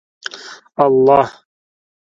الله